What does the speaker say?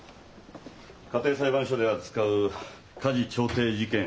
家庭裁判所で扱う家事調停事件